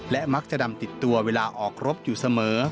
และมักจะดำติดตัวเวลาออกรบอยู่เสมอ